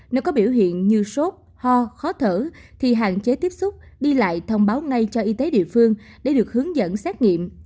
nếu có biểu hiện như sốt ho khó thở thì hạn chế tiếp xúc đi lại thông báo ngay cho y tế địa phương để được hướng dẫn xét nghiệm